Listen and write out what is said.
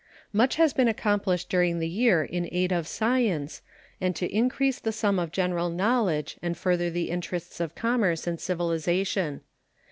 Much has been accomplished during the year in aid of science and to increase the sum of general knowledge and further the interests of commerce and civilization.